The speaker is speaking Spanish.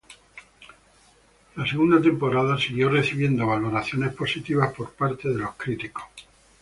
La segunda temporada siguió recibiendo valoraciones positivas por parte de los críticos.